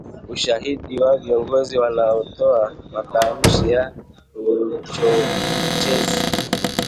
ushahidi wa viongozi wanaotoa matamshi ya uchochezi